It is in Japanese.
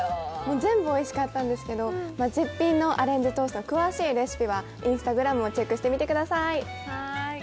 全部おいしかったんですけど、絶品のアレンジトースト詳しいレシピはＩｎｓｔａｇｒａｍをチェックしてみてください。